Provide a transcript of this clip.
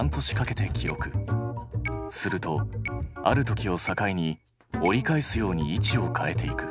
するとある時を境に折り返すように位置を変えていく。